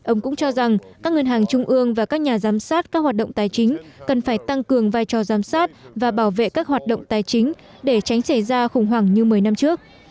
ông cũng cho rằng các ngân hàng trung ương và các nhà giám sát các hoạt động tài chính cần phải tăng cường vai trò giám sát và bảo vệ các hoạt động tài chính để tránh xảy ra khủng hoảng như một mươi năm trước